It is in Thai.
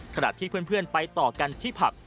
ขณะที่เพื่อนไปต่อกันที่ผับ